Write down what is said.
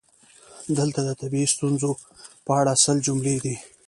دلته د طبیعي ستونزو په اړه سل جملې دي: